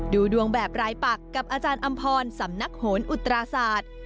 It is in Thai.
ดูดวงแบบรายปักกับอาจารย์อำพรสำนักโหนอุตราศาสตร์